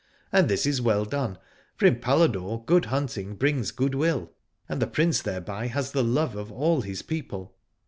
And this is well done, for in Paladore good hunting brings good will, and the Prince thereby has the love of all his people.